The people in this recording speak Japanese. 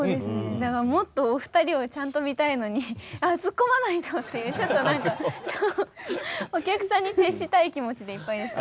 だからもっとお二人をちゃんと見たいのにあっツッコまないと！っていうちょっと何かお客さんに徹したい気持ちでいっぱいでした。